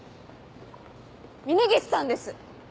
峰岸さんです！